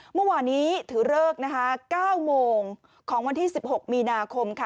เมื่อวานนี้ถือเลิกนะคะ๙โมงของวันที่๑๖มีนาคมค่ะ